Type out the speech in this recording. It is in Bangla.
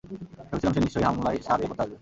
ভেবেছিলাম সে নিশ্চয়ই হামলায় সাহায্য করতে আসবে।